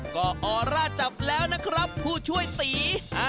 ก็ออร่าจับแล้วนะครับผู้ช่วยตี